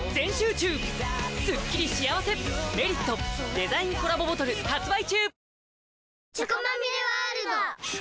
デザインコラボボトル発売中！